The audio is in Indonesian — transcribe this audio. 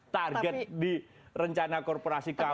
target di rencana korporasi kami